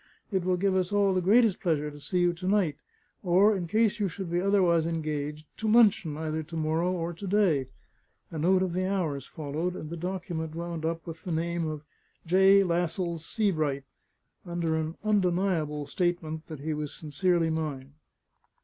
It will give us all the greatest pleasure to see you to night, or in case you should be otherwise engaged, to luncheon either to morrow or to day." A note of the hours followed, and the document wound up with the name of "J. Lascelles Sebright," under an undeniable statement that he was sincerely mine.